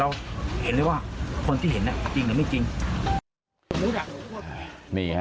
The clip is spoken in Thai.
เราเห็นเลยว่าคนที่เห็นน่ะจริงหรือไม่จริง